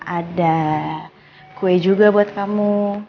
ada kue juga buat kamu